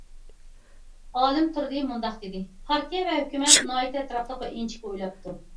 ئالىم تۇردى مۇنداق دېدى: پارتىيە ۋە ھۆكۈمەت ناھايىتى ئەتراپلىق ۋە ئىنچىكە ئويلاپتۇ.